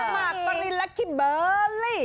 หมากปรินและคิเบอร์ลี่